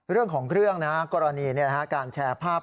เรื่องของเรื่องนะกรณีการแชร์ภาพ